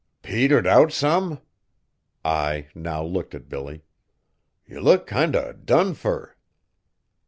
"Petered out some?" Ai now looked at Billy. "Ye look kind o' done fur."